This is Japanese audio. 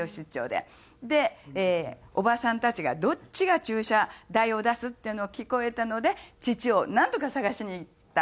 でおばさんたちが「どっちが注射代を出す？」っていうのが聞こえたので父をなんとか捜しに行った。